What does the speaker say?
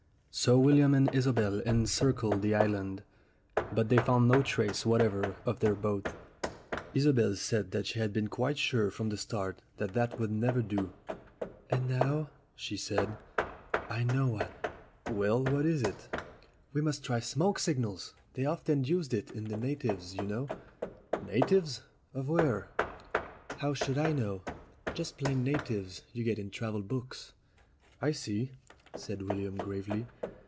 So William and Isobel encircled the island. But they found no trace whatever of their boat. Isobel said she had been quite sure from the start that that would never do. "And now," she said, "I know what." LOVERS ON AN ISLAND 259 "Well. What Is it?" "We must try smoke signals. They're often used by the natives, you know." "Natives of where?" "How should I know? Just plain natives you get in travel books." "I see," said William gravely.